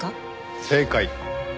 正解。